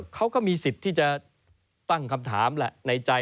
เขาก็มีสิทธิ์ที่จะตั้งคำถามแหละในใจ